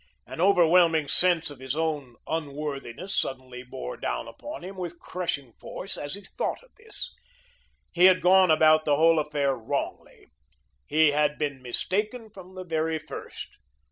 An overwhelming sense of his own unworthiness suddenly bore down upon him with crushing force, as he thought of this. He had gone about the whole affair wrongly. He had been mistaken from the very first.